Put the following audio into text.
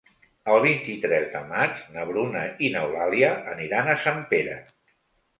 El vint-i-tres de maig na Bruna i n'Eulàlia aniran a Sempere.